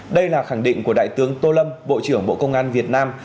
đây là khẳng định của đại tướng tô lâm bộ trưởng bộ công an việt nam